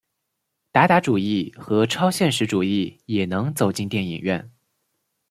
达达主义和超现实主义也能走进电影院。